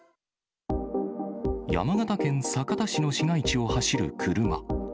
山形県酒田市の市街地を走る車。